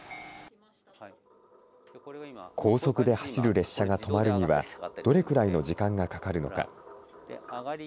高速で走る列車が止まるには、どれくらいの時間がかかるのか。